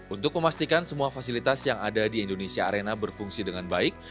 untuk memastikan semua fasilitas yang ada di indonesia arena berfungsi dengan baik